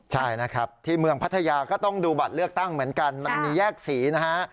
ใช่นะครับที่เมืองพัทยาก็ต้องดูบัตรเลือกตั้งเหมือนกันมันมีแยกสีนะฮะ